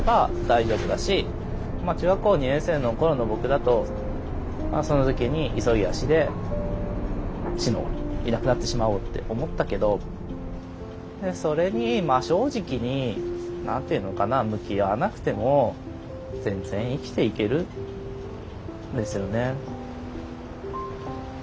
中学校２年生の頃の僕だとその時に急ぎ足で死のういなくなってしまおうって思ったけどそれに真正直に何て言うのかな向き合わなくても全然生きていけるんですよね。